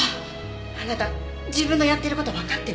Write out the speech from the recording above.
あなた自分のやってる事わかってる？